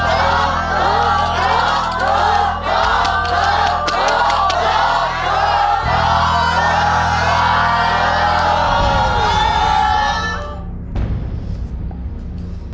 เลือกเลือกเลือก